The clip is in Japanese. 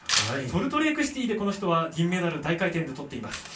ソルトレークシティーで銀メダル大回転でとっています。